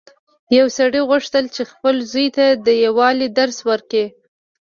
یو سړي غوښتل چې خپل زوی ته د یووالي درس ورکړي.